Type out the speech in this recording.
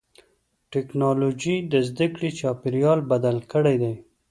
ټکنالوجي د زدهکړې چاپېریال بدل کړی دی.